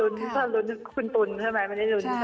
น่าจะลุ้นคุณตุ๋นใช่ไหมไม่ได้ลุ้นทุกคน